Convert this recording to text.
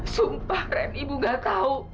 sumpah ren ibu nggak tahu